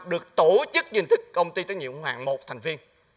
được tổ chức như hình thức công ty tất nhiên ủng hộ hàng một thành viên